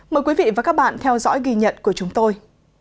mời quý vị và các bạn theo dõi ghi nhận của chúng tôi